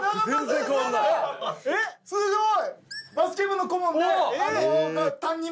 すごい。